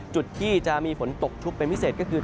จุดที่จะมีฝนตกชุกเป็นพิเศษก็คือ